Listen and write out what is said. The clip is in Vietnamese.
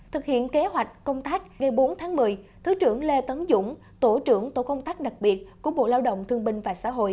thực hiện kế hoạch công tác ngày bốn tháng một mươi thứ trưởng lê tấn dũng tổ trưởng tổ công tác đặc biệt của bộ lao động thương binh và xã hội